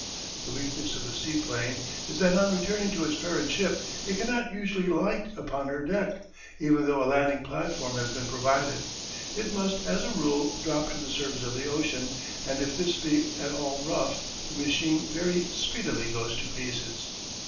The weakness of the seaplane is that on returning to its parent ship it cannot usually alight upon her deck, even though a landing platform has been provided. It must, as a rule, drop to the surface of the ocean, and if this be at all rough the machine very speedily goes to pieces.